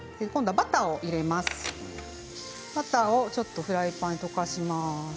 バターをちょっとフライパンに溶かします。